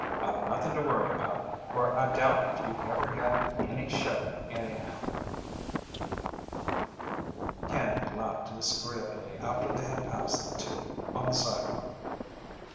"It's nothin' to worry about, for I doubt if you ever had any show anyhow." Canby laughed disagreeably after they had passed the two on the sidewalk.